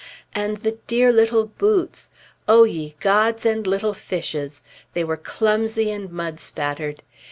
And the dear little boots! O ye gods and little fishes! they were clumsy, and mud spattered!